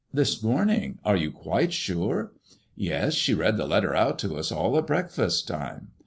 "This morning? Are you quite sure ?"Yes, she read the letter oat to us all at breakfast time."